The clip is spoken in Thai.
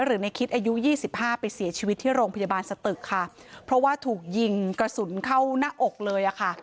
หรือในคิดอายุยี่สิบห้าไปเสียชีวิตที่โรงพยาบาลสตึกค่ะเพราะว่าถูกยิงกระสุนเข้าหน้าอกเลยอ่ะค่ะ